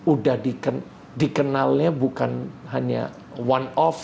udah dikenalnya bukan hanya one off